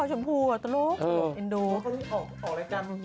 พ่อชมพูอ่ะตลกเอ็นดูเขาออกรายกรรม